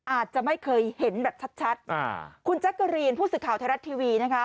อาจจะไม่เคยเห็นแบบชัดคุณจั๊กรีนผู้ศึกข่าวไทยรัฐทีวีนะคะ